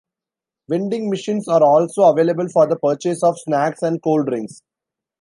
Vending machines are also available for the purchase of snacks and cold drinks.